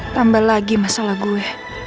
tambah lagi masalah gue